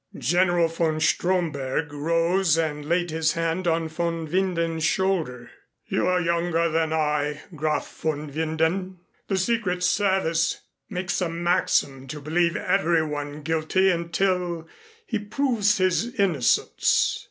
General von Stromberg rose and laid his hand on von Winden's shoulder. "You are younger than I, Graf von Winden. The Secret Service makes a maxim to believe everyone guilty until he proves his innocence."